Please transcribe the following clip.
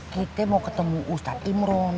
kita mau ketemu ustadz imron